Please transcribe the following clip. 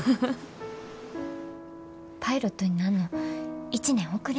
パイロットになんの１年遅れんねん。